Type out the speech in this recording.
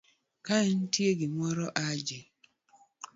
kaenitie gimoro Haji